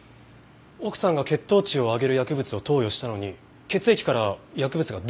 奥さんが血糖値を上げる薬物を投与したのに血液から薬物が出ないなんて